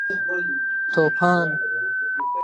توپان